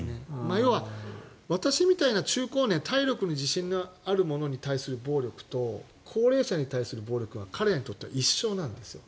要は、私みたいな中高年体力に自信がある者に対する暴力と高齢者に対する暴力は彼らにとっては一緒なんですよ。